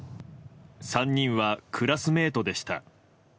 ３人はクラスメイトでした。